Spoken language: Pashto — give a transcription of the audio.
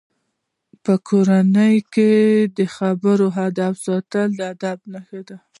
په کورنۍ کې د خبرو آدب ساتل د ادب نښه ده.